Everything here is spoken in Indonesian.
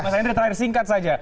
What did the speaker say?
mas hendry terakhir singkat saja